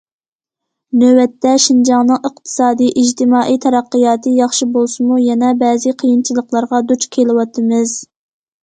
نۆۋەتتە، شىنجاڭنىڭ ئىقتىسادىي، ئىجتىمائىي تەرەققىياتى ياخشى بولسىمۇ، يەنە بەزى قىيىنچىلىقلارغا دۇچ كېلىۋاتىمىز.